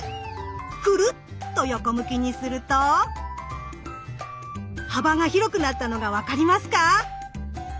くるっと横向きにすると幅が広くなったのが分かりますか？